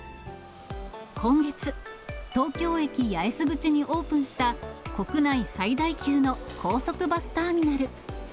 今月、東京駅八重洲口にオープンした国内最大級の高速バスターミナル。